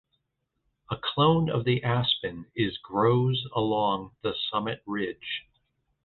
A clone of the aspen is grows along the summit ridge.